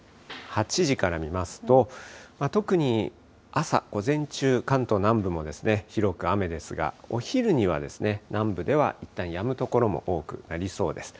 ８時から見ますと、特に朝、午前中、関東南部も広く雨ですが、お昼には南部ではいったんやむ所も多くなりそうです。